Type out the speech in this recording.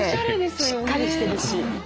しっかりしてるし。